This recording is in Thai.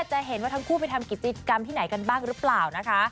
จะเห็นว่าทั้งคู่ไปทำกิจกรรมที่ไหนกันบ้างหรือเปล่านะคะ